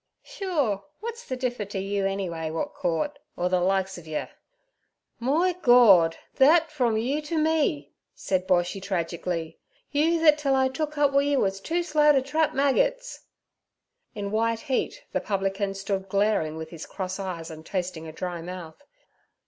'Sure what's ther differ to you anny way what Coort, or ther likes ov yer?' 'My Gord! thet from you to me' said Boshy tragically—'you thet till I took up wi' yer was too slow t' trap maggots.' In white heat the publican stood glaring with his cross eyes and tasting a dry mouth.